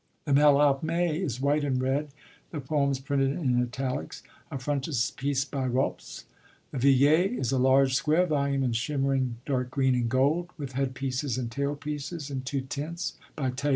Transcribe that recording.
The Mallarmé is white and red, the poems printed in italics, a frontispiece by Rops; the Villiers is a large square volume in shimmering dark green and gold, with headpieces and tailpieces, in two tints, by Th.